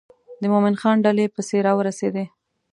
د مومن خان ډلې پسې را ورسېدې.